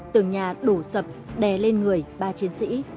tường nhà đổ sập đè lên người ba chiến sĩ